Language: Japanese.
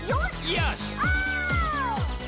「よし！」